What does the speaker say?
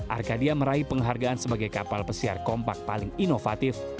arcadia meraih penghargaan sebagai kapal pesiar kompak paling inovatif